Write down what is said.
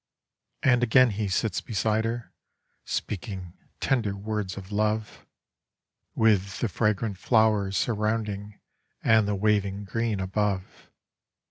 And again he sits beside her speaking tender words of love With the fragrant flowers surrounding and the waving green above.